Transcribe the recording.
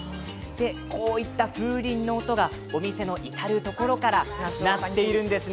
こういった風鈴の音がお店の至る所から鳴っているんですね。